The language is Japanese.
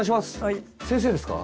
先生ですか？